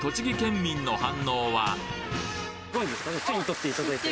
手に取っていただいて。